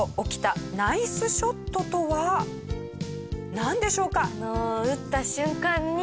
なんでしょうか？